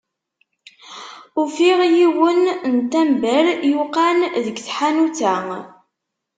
Ufiɣ yiwen n tamber yuqan deg tḥanut-a.